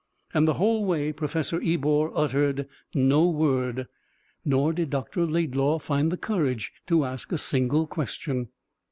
And the whole way Professor Ebor uttered no word, nor did Dr. Laidlaw find the courage to ask a single question.